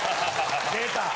・出た！